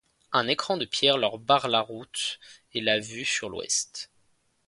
Un écran de pierre leur barre la route et la vue sur l'Ouest.